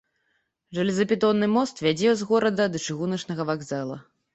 Жалезабетонны мост вядзе з горада да чыгуначнага вакзала.